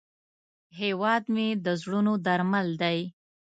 هیواد مې د زړونو درمل دی